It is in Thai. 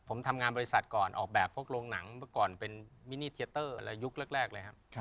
ผมทำงานบริษัทก่อนออกแบบพวกโรงหนังเมื่อก่อนเป็นมินิเทียเตอร์และยุคแรกเลยครับ